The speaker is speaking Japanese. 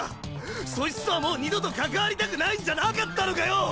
そいつとはもう二度と関わりたくないんじゃなかったのかよ